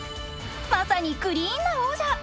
まさにクリーンな王者。